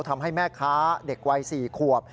ทำให้แม่ค้าเด็กวัย๔ขวบ